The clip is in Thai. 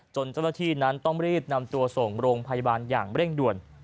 เจ้าหน้าที่นั้นต้องรีบนำตัวส่งโรงพยาบาลอย่างเร่งด่วน